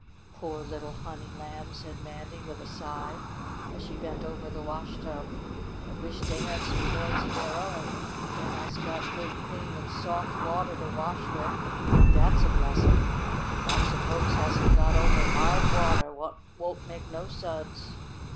"Po' li'l honey lambs!" said Mandy with a sigh, as she bent over the wash tub. "I wish dey had some toys of dere own. But den I'se got good clean and soft watah to wash wif, an' dat's a blessin'! Lots of folks hasn't got only hard watah, what won't make no suds."